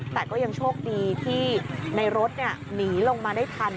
แต่ก็ยังโชคดีที่ในรถหนีลงมาได้ทัน